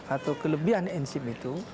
atau kelebihan enzim itu